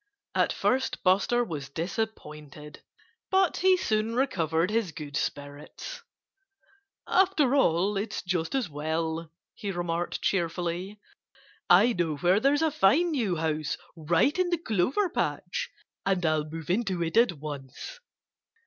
At first Buster was disappointed. But he soon recovered his good spirits. "After all, it's just as well," he remarked cheerfully. "I know where there's a fine new house right in the clover patch. And I'll move into it at once."